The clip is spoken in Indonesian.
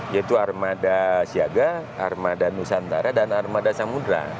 yaitu armada siaga armada nusantara dan armada samudera